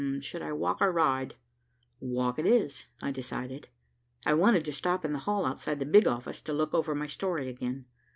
"Should I walk or ride? Walk it is," I decided. I wanted to stop in the hall outside the big office to look over my story again.